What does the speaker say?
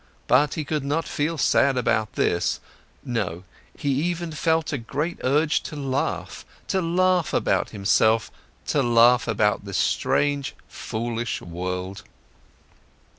But he could not feel sad about this, no, he even felt a great urge to laugh, to laugh about himself, to laugh about this strange, foolish world.